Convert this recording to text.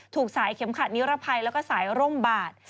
ถูกสายเข็มขัดนิรภัยแล้วก็สายร่มบาด